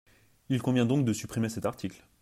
Il convient donc de supprimer cet article.